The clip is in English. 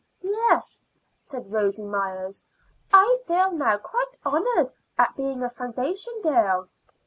"Yes," said Rosy Myers; "I feel now quite honored at being a foundation girl."